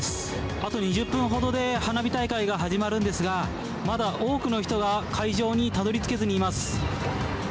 あと２０分ほどで花火大会が始まるんですが、まだ多くの人が会場にたどりつけずにいます。